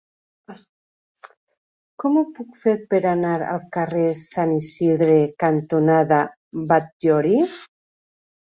Com ho puc fer per anar al carrer Sant Isidre cantonada Batllori?